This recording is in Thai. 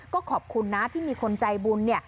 ก็ขอบคุณนะที่มีคนใจบุญ